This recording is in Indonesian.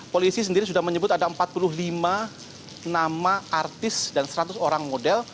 polisi sendiri sudah menyebut ada empat puluh lima nama artis dan seratus orang model